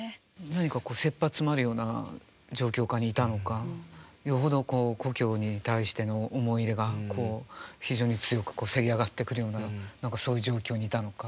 何かせっぱ詰まるような状況下にいたのかよほどこう故郷に対しての思い入れがこう非常に強くせり上がってくるような何かそういう状況にいたのか。